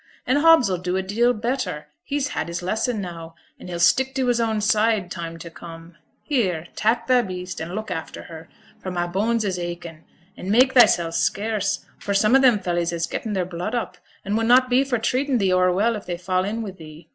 And Hobbs 'll do a deal better; he's had his lesson now, and he'll stick to his own side time to come. Here, tak' thy beast an' look after her, for my bones is achin'. An' mak' thysel' scarce, for some o' them fellys has getten their blood up, an' wunnot be for treating thee o'er well if they fall in wi' thee.'